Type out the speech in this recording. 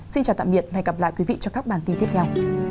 xin chào tạm biệt và hẹn gặp lại các bạn trong các bản tin tiếp theo